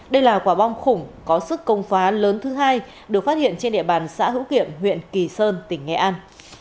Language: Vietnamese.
đây là quả bom khủng có sức công phá lớn thứ hai được phát hiện trên địa bàn xã hữu kiệm huyện kỳ sơn tỉnh nghệ an